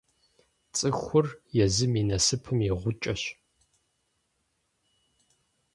Цӏыхур езым и насыпым и «гъукӏэщ».